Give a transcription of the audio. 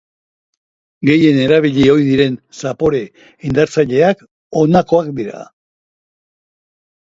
Gehien erabili ohi diren zapore indartzaileak honakoak dira.